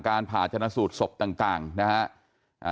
ผ่าชนะสูตรศพต่างนะฮะ